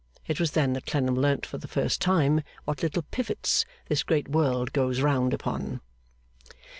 It was then that Clennam learned for the first time what little pivots this great world goes round upon.